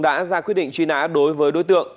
đã ra quyết định truy nã đối với đối tượng